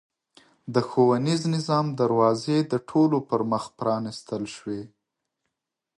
د ښوونیز نظام دروازې د ټولو پرمخ پرانېستل شوې.